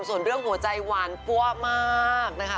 ส่วนเรื่องหัวใจหวานปั้วมากนะคะ